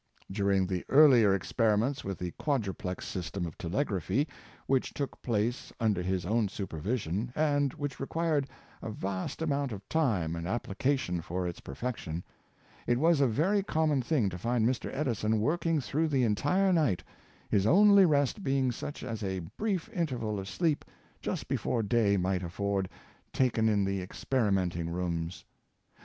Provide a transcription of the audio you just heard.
During the earlier experiments with the quadruplex system of telegraphy, which took place under his own supervision, and which required a vast amount of time and application for its perfection, it was a very common thing to find Mr. Edison work ing through the entire night, his only rest being such as a brief interval of sleep just before day might afford, taken in the experimenting rooms.